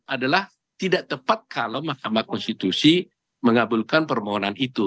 adalah tidak tepat kalau mahkamah konstitusi mengabulkan permohonan itu